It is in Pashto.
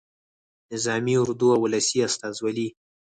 نظامي اردو او ولسي استازولي.